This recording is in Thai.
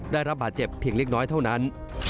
ได้รับบาดเจ็บเพียงเล็กน้อยเท่านั้น